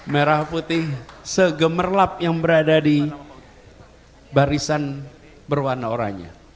merah putih segemerlap yang berada di barisan berwarna oranye